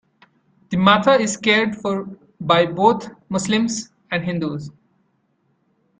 The matha is cared for by both Muslims and Hindus.